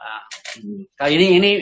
bukan kemarahan yang dramaturgis ya